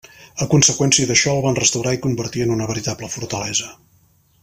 A conseqüència d'això el van restaurar i convertir en una veritable fortalesa.